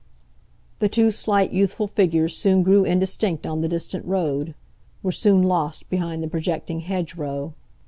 The two slight youthful figures soon grew indistinct on the distant road,—were soon lost behind the projecting hedgerow.